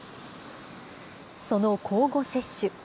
その交互接種。